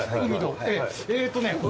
えっとね